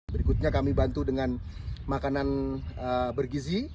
berikutnya kami bantu dengan makanan bergizi